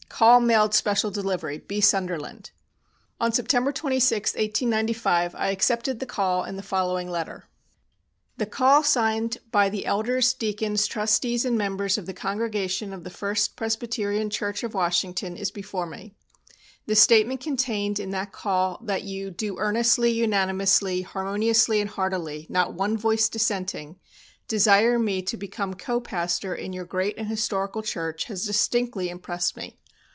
Call mailed special delivery. "B. SUNDERLAND." On September 26, 1895, I accepted the call in the following letter: "The call signed by the elders, deacons, trustees, and members of the congregation of the First Presbyterian Church of Washington is before me. The statement contained in that call that you 'do earnestly, unanimously, harmoniously and heartily, not one voice dissenting,' desire me to become co pastor in your great and historical church has distinctly impressed me.